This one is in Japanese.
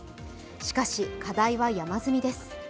しかし、課題は山積みです。